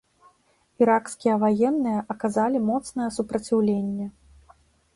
Іракскія ваенныя аказалі моцнае супраціўленне.